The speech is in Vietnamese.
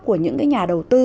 của những cái nhà đầu tư